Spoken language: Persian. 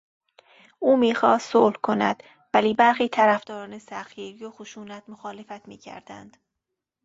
او میخواست صلح کند ولی برخی طرفداران سختگیری و خشونت، مخالفت میکردند.